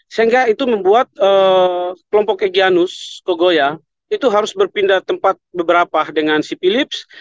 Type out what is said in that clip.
sehingga itu membuat kelompok egyanus kogoya itu harus berpindah tempat beberapa dengan si philips